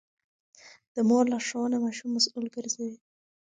د مور لارښوونه ماشوم مسوول ګرځوي.